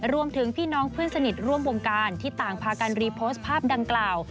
พี่น้องเพื่อนสนิทร่วมวงการที่ต่างพากันรีโพสต์ภาพดังกล่าว